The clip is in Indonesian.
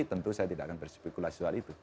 tentu saya tidak akan berspekulasi soal itu